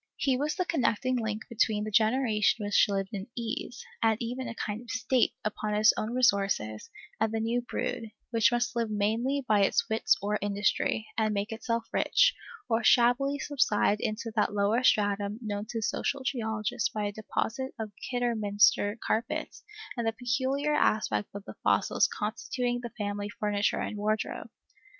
He was the connecting link between the generation which lived in ease, and even a kind of state, upon its own resources, and the new brood, which must live mainly by its wits or industry, and make itself rich, or shabbily subside into that lower stratum known to social geologists by a deposit of Kidderminster carpets and the peculiar aspect of the fossils constituting the family furniture and wardrobe.